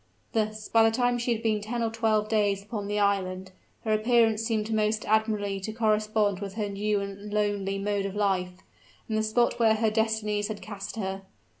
Thus, by the time she had been ten or twelve days upon the island, her appearance seemed most admirably to correspond with her new and lonely mode of life, and the spot where her destinies had cast her.